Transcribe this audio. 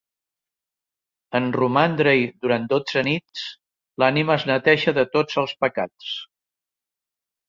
En romandre-hi durant dotze nits, l'ànima es neteja de tots els pecats.